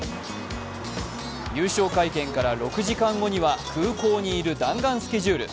優勝会見から６時間後には空港にいる弾丸スケジュール。